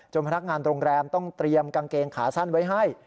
พนักงานโรงแรมต้องเตรียมกางเกงขาสั้นไว้ให้